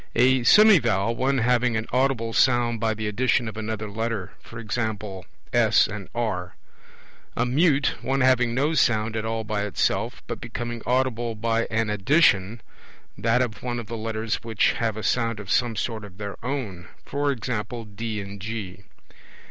A semivowel, one having an audible sound by the addition of another Letter; e.g. S and R. A mute, one having no sound at all by itself, but becoming audible by an addition, that of one of the Letters which have a sound of some sort of their own; e.g. D and G.